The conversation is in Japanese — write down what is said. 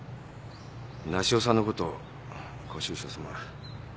梨世さんのことご愁傷さま。